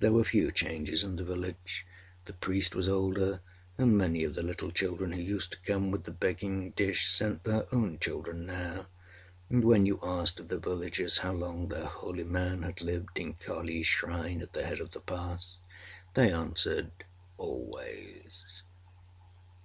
There were few changes in the village. The priest was older, and many of the little children who used to come with the begging dish sent their own children now; and when you asked of the villagers how long their holy man had lived in Kaliâs Shrine at the head of the pass, they answered, âAlways.